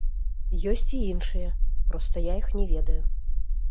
Ёсць і іншыя, проста я іх не ведаю.